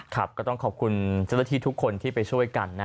ก็ต้องขอบคุณเจ้าหน้าที่ทุกคนที่ไปช่วยกันนะ